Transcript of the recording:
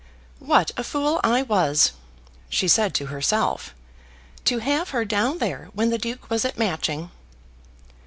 "What a fool I was," she said to herself, "to have her down there when the Duke was at Matching!"